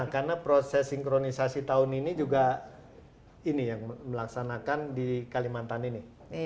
karena proses sinkronisasi tahun ini juga ini yang melaksanakan di kalimantan ini